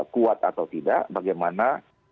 kuat atau tidak bagaimana